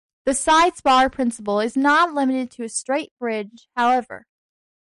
The side-spar principle is not limited to a straight bridge, however.